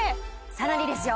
さらにですよ